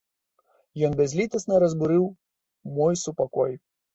Ён бязлітасна разбурыў мой супакой.